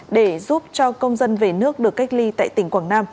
để giúp cho các cáo nhận tiền